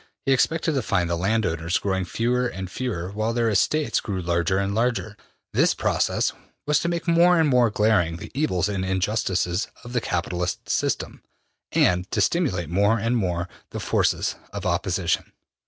He expected to find the landowners growing fewer and fewer while their estates grew larger and larger. This process was to make more and more glaring the evils and injustices of the capitalist system, and to stimulate more and more the forces of opposition.